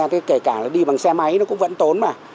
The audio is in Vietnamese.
thế kể cả là đi bằng xe máy nó cũng vẫn tốn mà